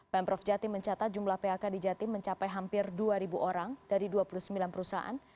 pemprov jatim mencatat jumlah phk di jatim mencapai hampir dua orang dari dua puluh sembilan perusahaan